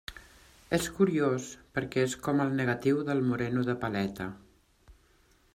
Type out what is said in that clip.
És curiós, perquè és com el negatiu del moreno de paleta.